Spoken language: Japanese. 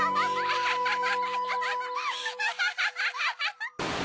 アハハハ！